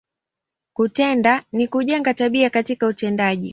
Kutenda, ni kujenga, tabia katika utendaji.